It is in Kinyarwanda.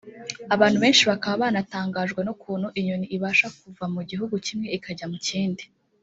Abantu benshi bakaba banatangajwe n’ukuntu inyoni ibasha kuva mu gihugu kimwe ikajya mu kindi